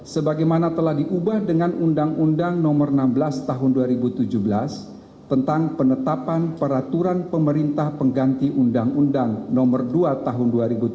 sebagaimana telah diubah dengan undang undang nomor enam belas tahun dua ribu tujuh belas tentang penetapan peraturan pemerintah pengganti undang undang no dua tahun dua ribu tujuh belas